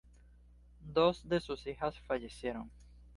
Dos de sus hijas fallecieron.